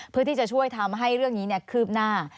เพื่อที่จะช่วยทำให้เรื่องนี้คืบหน้า